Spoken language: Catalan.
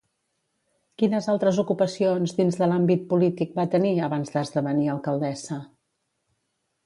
Quines altres ocupacions dins de l'àmbit polític va tenir, abans d'esdevenir alcaldessa?